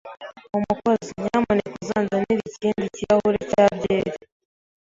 Umukozi, nyamuneka uzanzanire ikindi kirahure cya byeri.